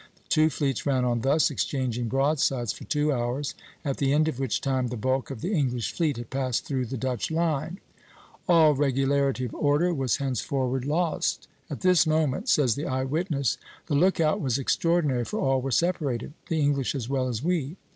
The two fleets ran on thus, exchanging broadsides for two hours, at the end of which time the bulk of the English fleet had passed through the Dutch line. All regularity of order was henceforward lost. "At this moment," says the eye witness, "the lookout was extraordinary, for all were separated, the English as well as we.